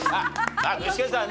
具志堅さんね